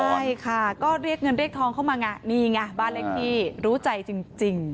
ใช่ค่ะก็เรียกเงินเรียกทองเข้ามาไงนี่ไงบ้านเลขที่รู้ใจจริง